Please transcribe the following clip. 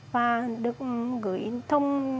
và được gửi thông